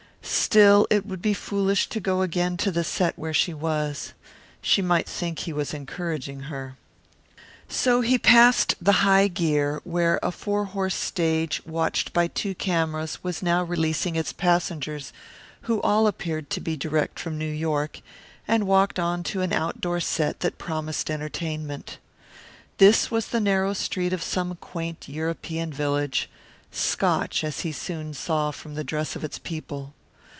Still it would be foolish to go again to the set where she was. She might think he was encouraging her. So he passed the High Gear, where a four horse stage, watched by two cameras, was now releasing its passengers who all appeared to be direct from New York, and walked on to an outdoor set that promised entertainment. This was the narrow street of some quaint European village, Scotch he soon saw from the dress of its people.